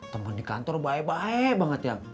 temen di kantor bae bae banget ya